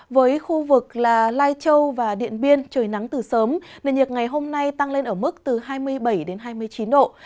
với khu vực lai châu và điện biên trời nắng từ sớm nền nhiệt ngày hôm nay tăng lên ở mức từ hai mươi bảy hai mươi chín độ